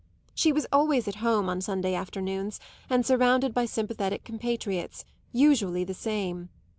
She was always at home on Sunday afternoons and surrounded by sympathetic compatriots, usually the same.